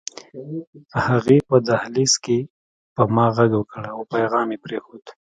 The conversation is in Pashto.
هغې په دهلېز کې په ما غږ وکړ او پيغام يې پرېښود